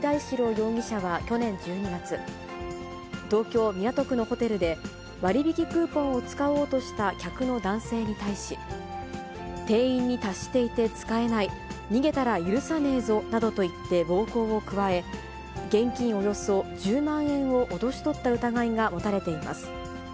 容疑者は去年１２月、東京・港区のホテルで、割引クーポンを使おうとした客の男性に対し、定員に達していて使えない、逃げたら許さねえぞなどと言って暴行を加え、現金およそ１０万円を脅し取った疑いが持たれています。